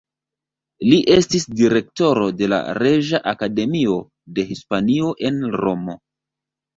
Li estis Direktoro de la Reĝa Akademio de Hispanio en Romo.